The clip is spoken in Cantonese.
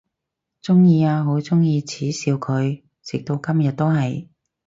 鍾意啊，好鍾意恥笑佢，直到今日都係！